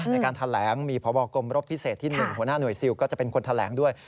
ในการแถลงมีพบกรมรบพิเศษที่๑หัวหน้าหน่วยซิลก็จะเป็นคนแถลงด้วย